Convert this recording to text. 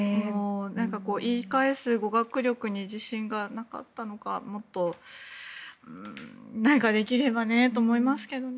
言い返す語学力に自信がなかったのかもっと何かできればねと思いますけどね。